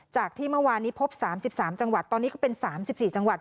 จากที่เมื่อวานนี้พบ๓๓จังหวัดตอนนี้ก็เป็น๓๔จังหวัด